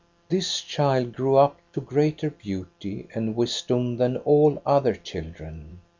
This child grew up to greater beauty and wisdom than all other children.